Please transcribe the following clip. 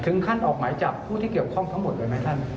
ท่านออกหมายจับผู้ที่เกี่ยวข้องทั้งหมดเลยไหมท่าน